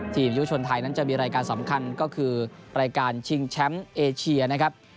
ยุชนไทยนั้นจะมีรายการสำคัญก็คือรายการชิงแชมป์เอเชียนะครับ